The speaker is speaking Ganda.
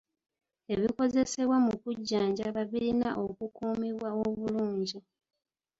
Ebikozesebwa mu kujjanjaba birina okukuumibwa obulungi